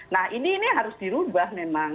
nah ini harus dirubah memang